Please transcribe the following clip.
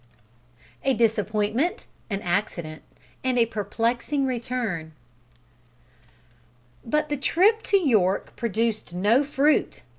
A DISAPPOINTMENT, AN ACCIDENT, AND A PERPLEXING RETURN. But the trip to York produced no fruit!